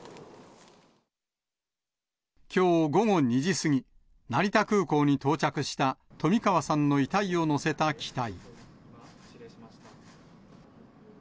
きょう午後２時過ぎ、成田空港に到着した、冨川さんの遺体を乗せた機体。